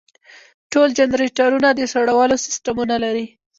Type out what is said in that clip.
ټول جنریټرونه د سړولو سیستمونه لري.